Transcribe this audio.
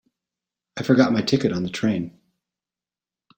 I forgot my ticket on the train.